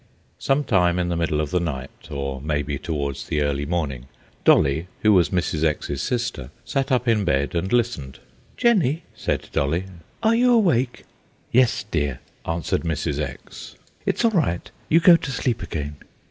Some time in the middle of the night, or maybe towards the early morning, Dolly, who was Mrs. X.'s sister, sat up in bed and listened. "Jenny," said Dolly, "are you awake?" "Yes, dear," answered Mrs. X. "It's all right. You go to sleep again."